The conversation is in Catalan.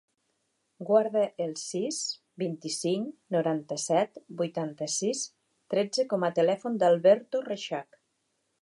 Guarda el sis, vint-i-cinc, noranta-set, vuitanta-sis, tretze com a telèfon de l'Alberto Reixach.